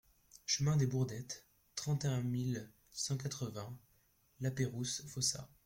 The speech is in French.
Chemin des Bourdettes, trente et un mille cent quatre-vingts Lapeyrouse-Fossat